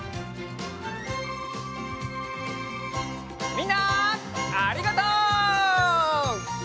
みんなありがとう！